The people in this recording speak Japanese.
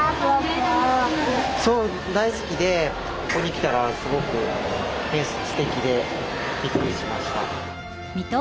大好きでここに来たらすごくステキでびっくりしました。